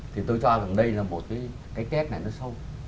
thì tôi cho rằng đây là một cái kép này nó sâu